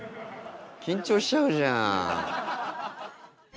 緊張しちゃうじゃん。